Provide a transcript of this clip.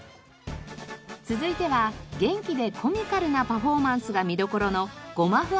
続いては元気でコミカルなパフォーマンスが見どころの。